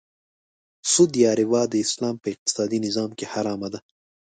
سود یا ربا د اسلام په اقتصادې نظام کې حرامه ده .